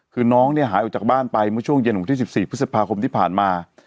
คือน้องเนี่ยหายออกจากบ้านไปเมื่อช่วงเย็นวันที่๑๔พฤษภาคมที่ผ่านมา